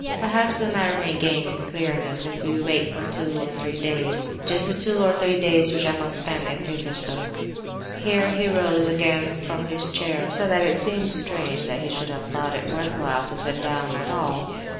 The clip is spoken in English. Perhaps the matter may gain in clearness if we wait for two or three days—just the two or three days which I must spend in Petersburg." Here he rose again from his chair, so that it seemed strange that he should have thought it worth while to sit down at all.